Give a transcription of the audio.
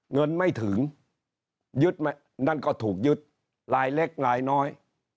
เงินไม่ถึงยึดนั่นก็ถูกยึดลายเล็กลายน้อย